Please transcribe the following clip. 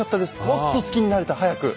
もっと好きになれた早く。